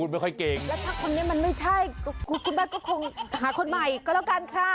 แล้วถ้าคนนี้มันไม่ใช่คุณแม่ก็คงหาคนใหม่ก็แล้วกันค่ะ